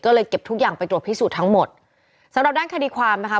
ก็เลยเก็บทุกอย่างไปตรวจพิสูจน์ทั้งหมดสำหรับด้านคดีความนะคะ